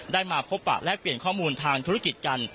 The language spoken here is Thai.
มาพบปะแลกเปลี่ยนข้อมูลทางธุรกิจกัน